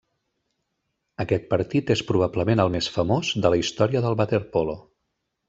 Aquest partit és probablement el més famós de la història del waterpolo.